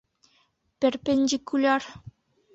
Перпендикуляр